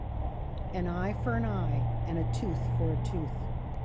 An eye for an eye and a tooth for a tooth.